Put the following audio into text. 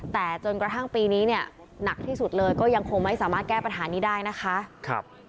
แต่จนกระทั่งปีนี้เนี่ยหนักที่สุดเลยก็ยังคงไม่สามารถแก้ปัญหานี้ได้นะคะ